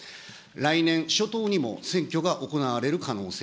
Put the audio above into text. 来年初頭にも選挙が行われる可能性。